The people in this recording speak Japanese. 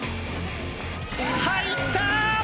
入った！